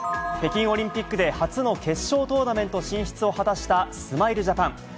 北京オリンピックで初の決勝トーナメント進出を果たした、スマイルジャパン。